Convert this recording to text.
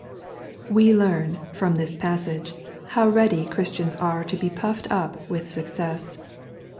We learn, from this passage, how ready Christians are to be puffed up with success.